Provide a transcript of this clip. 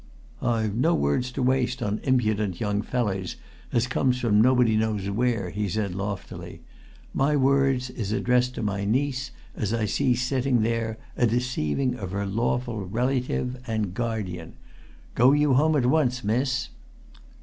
"I've no words to waste on impudent young fellers as comes from nobody knows where," he said loftily. "My words is addressed to my niece, as I see sitting there, a deceiving of her lawful rellytive and guardian. Go you home at once, miss!"